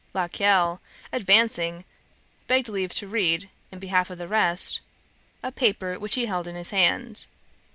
La Caille, advancing, begged leave to read, in behalf of the rest, a paper which he held in his hand.